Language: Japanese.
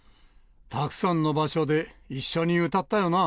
たくさんの場所で一緒に歌ったよな！